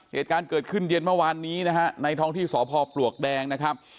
เหตุการณ์เกิดขึ้นเย็นเมื่อวานนี้นะฮะในท้องที่สพปลวกแดงนะครับ